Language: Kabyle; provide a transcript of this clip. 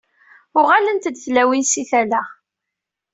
Uɣalent-d tlawin si tala.